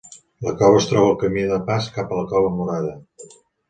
La cova es troba al camí de pas cap a la cova Murada.